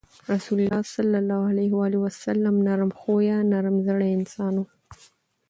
د الله رسول صلی الله عليه وسلّم نرم خويه، نرم زړی انسان وو